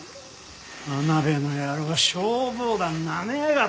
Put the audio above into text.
真鍋の野郎消防団なめやがって！